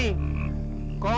kalau yang mana